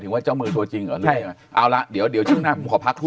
ถึงว่าเจ้ามือชัวร์จริงเอาละเดี๋ยวเดี๋ยวช่วงหน้าขอพักทุก